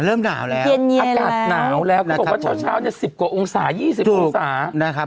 เริ่มหนาวแล้วอากาศหนาวแล้วแล้วเขาบอกว่าเช้าจะ๑๐กว่าองศา๒๐องศาถูกนะครับ